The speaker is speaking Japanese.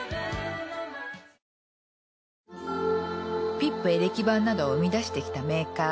ピップエレキバンなどを生み出してきたメーカー。